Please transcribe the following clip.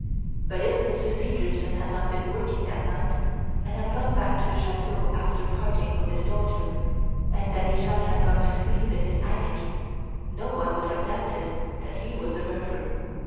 But if Monsieur Stangerson had not been working that night and had gone back to the chateau after parting with his daughter, and Daddy Jacques had gone to sleep in his attic, no one would have doubted that he was the murderer.